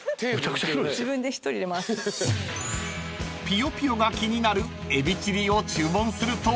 ［「ぴよぴよ」が気になるエビチリを注文すると］